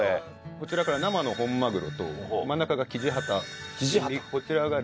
こちらから生の本マグロと真ん中がキジハタこちらが連子鯛です。